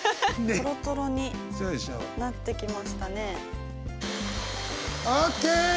トロトロになってきましたね。ＯＫ！